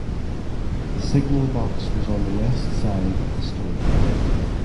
The signal box was on the west side of the stone cutting.